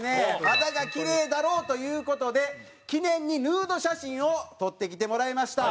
肌がキレイだろうという事で記念にヌード写真を撮ってきてもらいました。